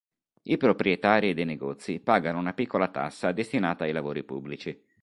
I proprietari dei negozi pagano una piccola tassa destinata ai lavori pubblici.